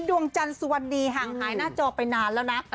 ดวงจันทร์สวัสดีห่างหายหน้าจอไปนานแล้วนะ